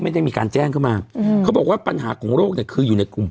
ไม่ได้มีการแจ้งเข้ามาอืมเขาบอกว่าปัญหาของโรคเนี่ยคืออยู่ในกลุ่ม